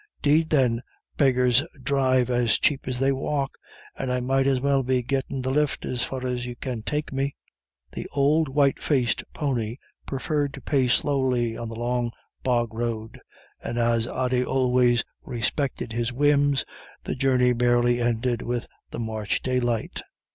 "'Deed, then, beggars drive as chape as they walk," she said, "and I might as well be gettin' the lift as far as you can take me." The old white faced pony preferred to pace slowly on the long bog road, and, as Ody always respected his whims, the journey barely ended with the March daylight.